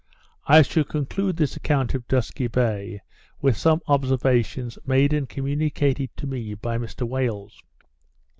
I shall conclude this account of Dusky Bay with some observations made and communicated to me by Mr Wales.